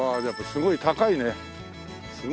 すごい高い。